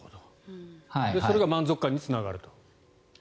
それが満足感につながると。